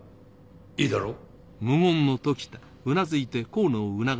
いいだろう？